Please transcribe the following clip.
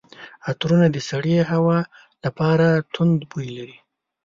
عطرونه د سړې هوا لپاره توند بوی لري.